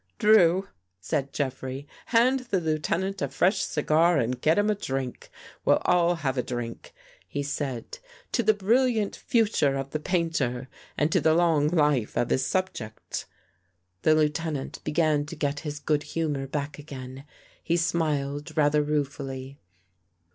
" Drew," said Jeffrey, " hand the Lieutenant a fresh cigar and get him a drink. We'll all have a drink," he said, " to the brilliant future of the painter and to the long life of his subject." The Lieutenant began to get his good humor back again. He smiled rather ruefully.